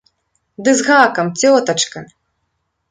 Ды з гакам, цётачка.